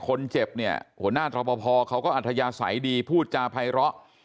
คนเจ็บเนี่ยหัวหน้าตรปภเขาก็อัธยาศัยดีพูดจาภัยร้อ